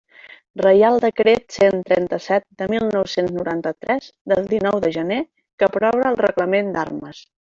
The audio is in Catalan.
Reial Decret cent trenta-set de mil nou-cents noranta-tres, de dinou de gener, que aprova el Reglament d'Armes.